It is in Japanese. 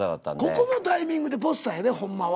ここのタイミングでポスターやでほんまは。